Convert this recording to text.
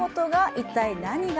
一体何か？